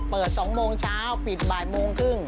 เปิด๒โมงเช้าปิดบ่าย๑๓๐โมง